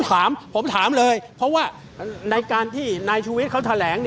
ถามผมถามเลยเพราะว่าในการที่นายชูวิทย์เขาแถลง